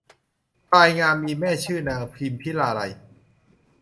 พลายงามมีแม่ชื่อนางพิมพิลาไลย